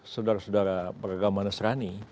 saudara saudara peragama nasrani